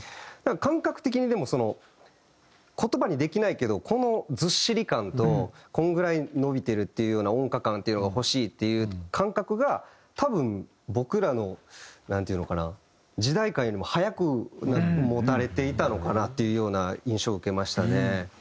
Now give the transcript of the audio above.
だから感覚的にでもその言葉にできないけどこのずっしり感とこのぐらい伸びてるっていうような音価感っていうのが欲しいっていう感覚が多分僕らのなんていうのかな時代感よりも早く持たれていたのかなっていうような印象を受けましたね。